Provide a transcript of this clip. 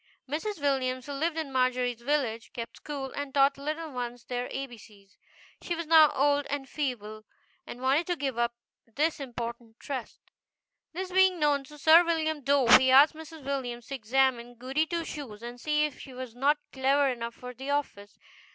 Mrs. Williams, who lived in Margery's village, kept school, and taught little ones their A B C's. She was now old and feeble, and wanted to give up this important trust. GOODY TWO SHOES. This being known to Sir William Dove, he asked Mrs. Williams to examine Goody Two Shoes and see if she was not clever enough for the office.